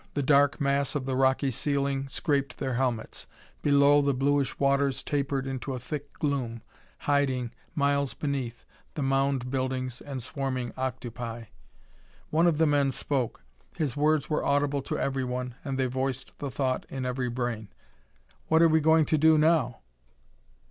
The dark mass of the rocky ceiling scraped their helmets; below, the bluish waters tapered into a thick gloom, hiding, miles beneath, the mound buildings and swarming octopi. One of the men spoke. His words were audible to everyone, and they voiced the thought in every brain: "What're we going to do now?"